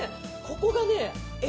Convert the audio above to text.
ここがね